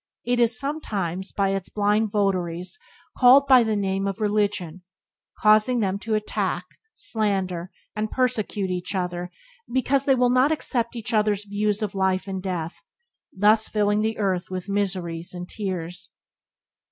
It is sometimes, by its blind votaries called by the name of religion, causing them to attack, slander, and persecute each other because they will not accept each other's views of life and death, thus filling the earth with miseries and tears.